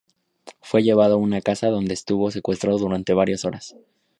Fue llevado a una casa, donde estuvo secuestrado durante varias horas.